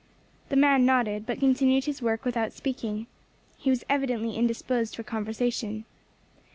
The man nodded, but continued his work without speaking. He was evidently indisposed for conversation.